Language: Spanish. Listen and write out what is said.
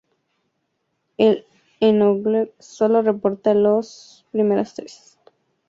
El Ethnologue solo reporta las primeras tres.